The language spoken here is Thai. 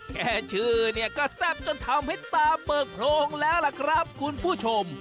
แค่ชื่อเนี่ยก็แซ่บจนทำให้ตาเปิกโพรงแล้วล่ะครับคุณผู้ชม